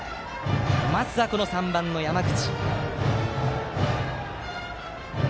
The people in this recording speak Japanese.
まずは３番の山口。